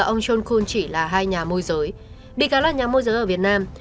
ông john kun chỉ là hai nhà môi giới bị cáo là nhà môi giới ở việt nam